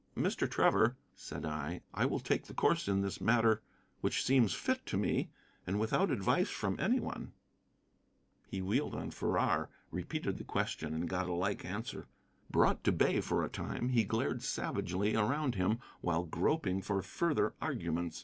"Mr. Trevor," said I, "I will take the course in this matter which seems fit to me, and without advice from any one." He wheeled on Farrar, repeated the question, and got a like answer. Brought to bay for a time, he glared savagely around him while groping for further arguments.